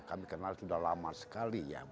kami kenal sudah lama sekali ya